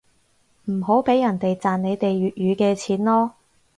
唔好畀人哋賺你哋粵語嘅錢囉